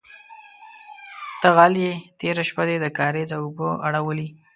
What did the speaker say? _ته غل يې، تېره شپه دې د کارېزه اوبه اړولې.